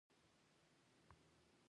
سیسټم